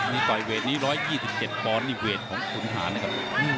นี่ต่อยเวทนี้๑๒๗ปอนดนี่เวทของขุนหารนะครับ